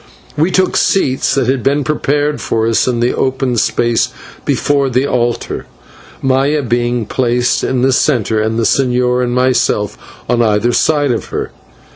We took seats that had been prepared for us in the open space before the altar, Maya being placed in the centre, and the señor and myself on either side of her.